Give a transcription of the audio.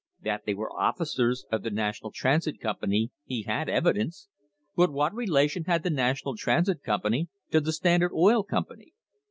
That they were officers of the National Transit Company he had evidence, but what relation had the National Transit Company to the Standard Oil Company?